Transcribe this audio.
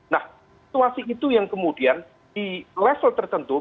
nah situasi itu yang kemudian di level tertentu